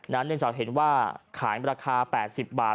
เนื่องจากเห็นว่าขายราคา๘๐บาท